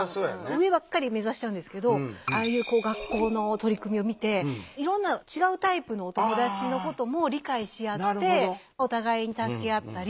上ばっかり目指しちゃうんですけどああいう学校の取り組みを見ていろんな違うタイプのお友達のことも理解し合ってお互いに助け合ったり。